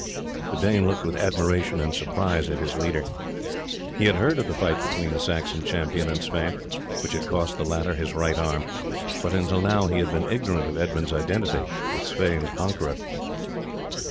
The Dane looked with admiration and surprise at his leader. He had heard of the fight between the Saxon champion and Sweyn, which had cost the latter his right arm, but until now he had been ignorant of Edmund's identity with Sweyn's conqueror.